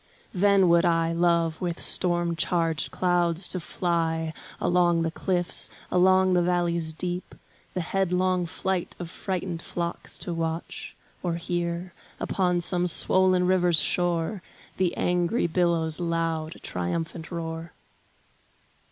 Then would I love with storm charged clouds to fly Along the cliffs, along the valleys deep, The headlong flight of frightened flocks to watch, Or hear, upon some swollen river's shore The angry billows' loud, triumphant roar.